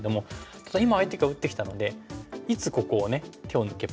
ただ今相手が打ってきたのでいつここを手を抜けばいいか。